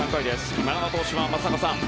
今永投手は、松坂さん